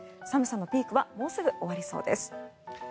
寒さのピークはもうすぐ終わりそうです。